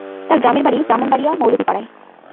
তার গ্রামের বাড়ি ব্রাহ্মণবাড়িয়া মৌলভী পাড়ায়।